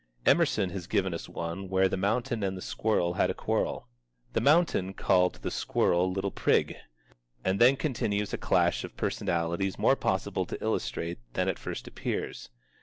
Emerson has given us one where the Mountain and the Squirrel had a quarrel. The Mountain called the Squirrel "Little Prig." And then continues a clash of personalities more possible to illustrate than at first appears.